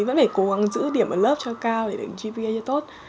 vẫn phải cố gắng giữ điểm ở lớp cho cao để được gpa cho tốt